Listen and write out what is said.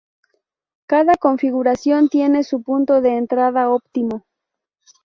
Cada configuración tiene su punto de entrada óptimo.